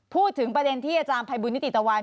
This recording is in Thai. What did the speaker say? พูดถึงประเด็นที่อาจารย์ภัยบุญนิติตะวัน